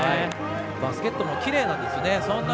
バスケットもきれいなんですよね。